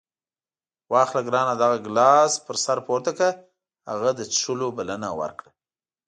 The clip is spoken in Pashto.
واخله ګرانه دغه ګیلاس پر سر پورته کړه. هغه د څښلو بلنه ورکړه.